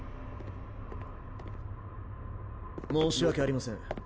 申し訳ありません。